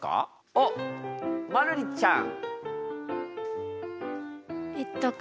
あっまるりちゃん。